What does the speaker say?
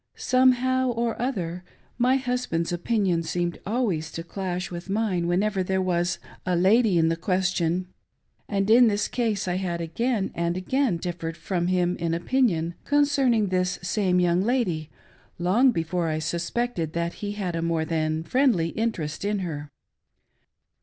Somehow or other, my husband's opinion seemed always to clash with mine whenever there was a lady in the question ; and in this case I had again and again differed from him in opinion concerning this same young lady, long b^ore I suspected that he had a more thfn friendly interest in her.